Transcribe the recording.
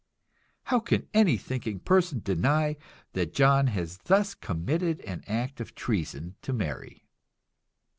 How can any thinking person deny that John has thus committed an act of treason to Mary?